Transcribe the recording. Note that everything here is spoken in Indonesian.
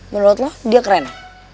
menurut lo dia keren